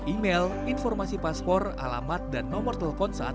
email informasi paspor alamat dan nomor telepon saat